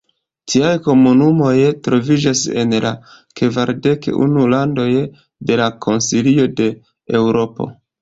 Tiaj komunumoj troviĝas en la kvardek unu landoj de la Konsilio de Eŭropo.